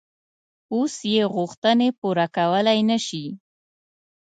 اوس یې غوښتنې پوره کولای نه شي.